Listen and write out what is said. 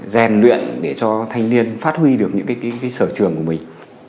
rèn luyện để cho thanh niên phát huy được những sở trường của mình